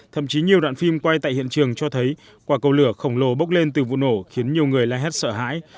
thậm chí nhiều đoạn phim quay tại hiện trường cho thấy quả cầu lửa khổng lồ bốc lên từ vụ nổ khiến nhiều người la hét sợ hãi